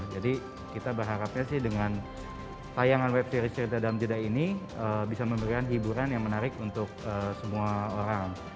jadi kita berharapnya dengan tayangan web series cerita damjada ini bisa memberikan hiburan yang menarik untuk semua orang